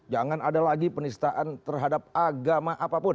jangan ada lagi penistaan terhadap agama apapun